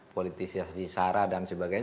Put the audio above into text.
politisasi sara dan sebagainya